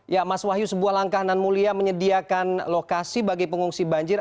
ya mas wahyu sebuah langkah nan mulia menyediakan lokasi bagi pengungsi banjir